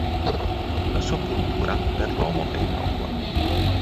La sua puntura per l'uomo è innocua.